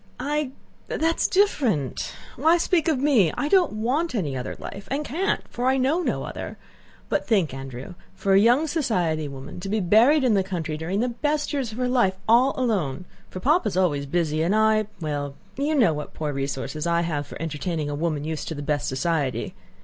"I... that's different. Why speak of me? I don't want any other life, and can't, for I know no other. But think, Andrew: for a young society woman to be buried in the country during the best years of her life, all alone—for Papa is always busy, and I... well, you know what poor resources I have for entertaining a woman used to the best society.